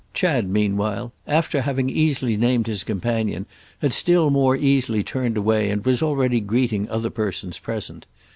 Chad meanwhile, after having easily named his companion, had still more easily turned away and was already greeting other persons present.